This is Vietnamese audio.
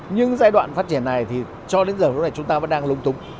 nhưng giai đoạn phát triển này thì cho đến giờ chúng ta vẫn đang lung túng